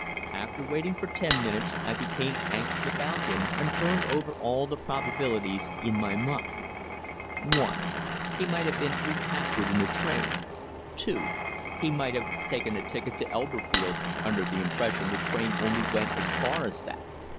After waiting for ten minutes I became anxious about him, and turned over all the probabilities in my mind. (1) He might have been recaptured in the train. (2) He might have taken a ticket to Elberfeld, under the impression the train only went as far as that.